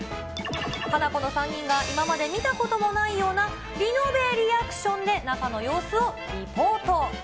ハナコの３人が、今まで見たこともないような、リノベリアクションで中の様子をリポート。